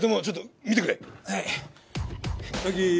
ちょっと見てくれ。